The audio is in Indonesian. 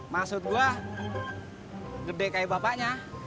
maksud gue gede kayak bapaknya